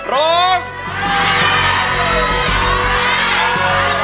ร้อง